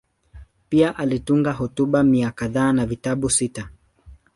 Pia alitunga hotuba mia kadhaa na vitabu sita.